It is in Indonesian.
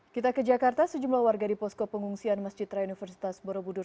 kita ke jakarta sejumlah warga di posko pengungsian masjid raya universitas borobudur